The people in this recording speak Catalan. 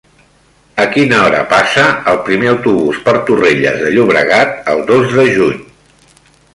A quina hora passa el primer autobús per Torrelles de Llobregat el dos de juny?